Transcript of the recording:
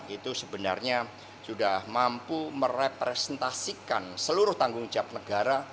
itu sebenarnya sudah mampu merepresentasikan seluruh tanggung jawab negara